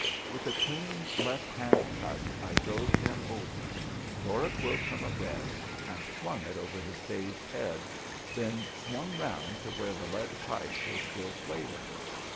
With a clean left hand cut I drove him over, tore a quilt from a bed and flung it over his dazed head, then swung round to where the lead pipe was still flailing.